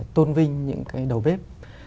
tôn vinh những cái đầu bếp